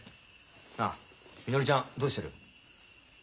なあみのりちゃんどうしてる？